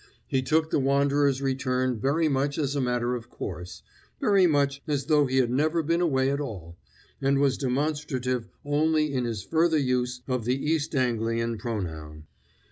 He took the wanderer's return very much as a matter of course, very much as though he had never been away at all, and was demonstrative only in his further use of the East Anglian pronoun.